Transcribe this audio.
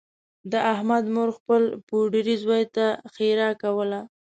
د احمد مور خپل پوډري زوی ته ښېرا کوله